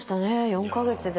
４か月で。